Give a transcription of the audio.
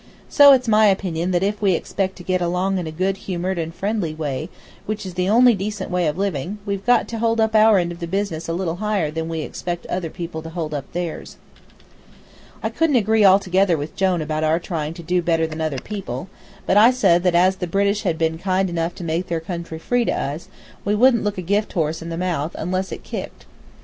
So it's my opinion that if we expect to get along in a good humored and friendly way, which is the only decent way of living, we've got to hold up our end of the business a little higher than we expect other people to hold up theirs." I couldn't agree altogether with Jone about our trying to do better than other people, but I said that as the British had been kind enough to make their country free to us, we wouldn't look a gift horse in the mouth unless it kicked.